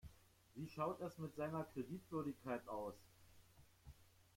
Wie schaut es mit seiner Kreditwürdigkeit aus?